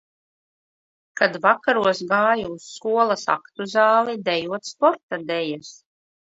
Kad vakaros gāju uz skolas aktu zāli dejot sporta dejas.